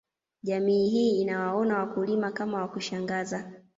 Jamii hii inawaona wakulima kama wa kushangaza